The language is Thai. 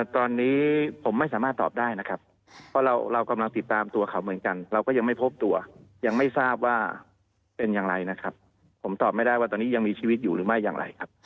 ตอนนี้ผมไม่สามารถตอบได้นะครับเพราะเรากำลังติดตามตัวเขาเหมือนกันเราก็ยังไม่พบตัวยังไม่ทราบว่าเป็นอย่างไรนะครับผมตอบไม่ได้ว่าตอนนี้ยังมีชีวิตอยู่หรือไม่อย่างไรครับ